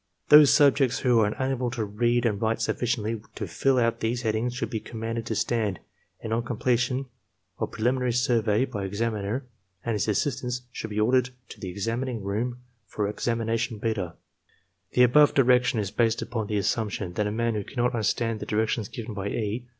Those subjects who are unable to read and write sufficiently to fill out these headings should be commanded to stand, and on completion of prelim inary survey by examiner and his assistants should be ordered to enter examining room for examination beta. The above direction is based upon the assumption that a man who cannot imderstand the directions given by E.